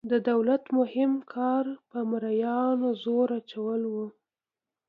د دولت مهم کار په مرئیانو زور اچول وو.